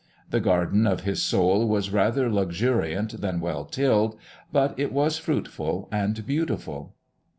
The garden of his soul was rather luxuriant than well tilled, but it was fruitful and beautiful.